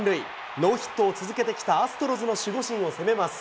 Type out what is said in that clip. ノーヒットを続けてきたアストロズの守護神を攻めます。